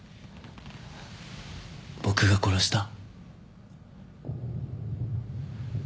僕が殺した。